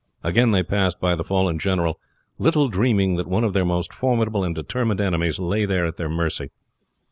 Again they passed by the fallen general, little dreaming that one of their most formidable and determined enemies lay there at their mercy.